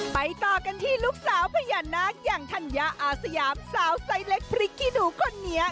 ต่อกันที่ลูกสาวพญานาคอย่างธัญญาอาสยามสาวไซส์เล็กพริกขี้หนูคนนี้